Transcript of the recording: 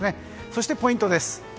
そして、ポイントです。